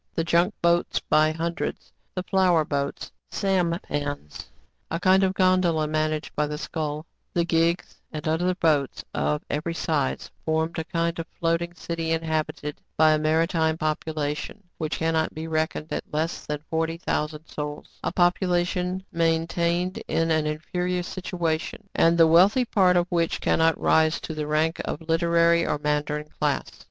The junk boats by hundreds, the flower boats, the sampans (a kind of gondola managed by the scull), the gigs, and other boats, of every size, formed a kind of floating city inhabited by a mari time population, which cannot be reckoned at less than forty thousand souls, — a population main THE CITY OF SUA NO HAL 3 1 tained in an inferior situation, and the wealthy part of which cannot rise to the rank of the liter ary or mandarin class.